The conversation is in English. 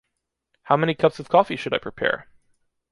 How many cups of coffee should I prepare?